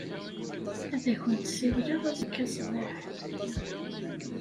Ad akent-ssiwleɣ azekka ṣṣbeḥ.